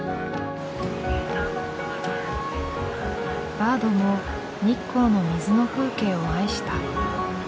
バードも日光の水の風景を愛した。